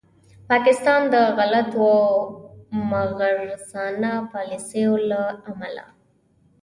پاکستان د غلطو او مغرضانه پالیسیو له امله